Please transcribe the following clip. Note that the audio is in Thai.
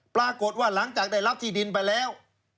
ปรากฏว่าหลังจากได้รับที่ดินไปแล้ว